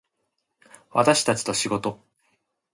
私たちと仕事